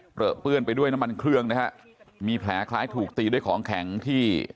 เปื้อนไปด้วยน้ำมันเครื่องนะฮะมีแผลคล้ายถูกตีด้วยของแข็งที่